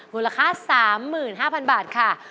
มูลค่า๓๕๐๐๐บาทค่ะ